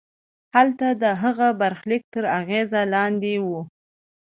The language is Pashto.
هلته د هغه برخلیک تر اغېز لاندې وي.